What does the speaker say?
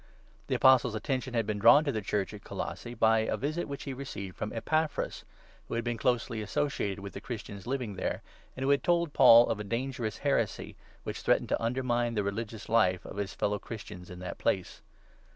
The Apostle's attention had been drawn to the Church at Colossae by a visit which he had received from Epaphras, who had been closely associated with the Christians living there, and who had told St. Paul of a dangerous heresy which threatened to under mine the religious life of his fellow Christians in that place.